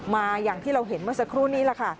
อย่างที่เราเห็นเมื่อสักครู่นี้แหละค่ะ